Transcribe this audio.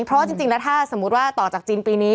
เพราะจริงแล้วถ้าสมมุติว่าต่อจากจีนปีนี้